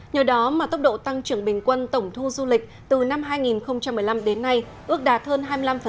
nhờ đó mà tốc độ tăng trưởng bình quân tổng thu du lịch từ năm hai nghìn một mươi năm đến nay ước đạt hơn hai mươi năm